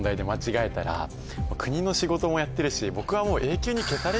国の仕事もやってるし僕はもう。